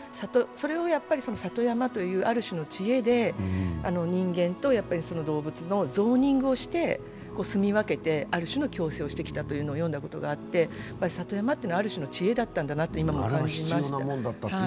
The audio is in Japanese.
それを里山というある種の知恵で人間と動物のゾーニングをして棲み分けてある種の共生をしてきたというのを読んだことがあって、里山というのはある種の知恵だったんだなと、今も感じました。